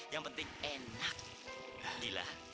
yang penting enak